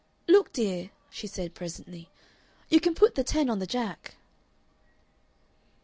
"Look, dear," she said presently, "you can put the ten on the Jack."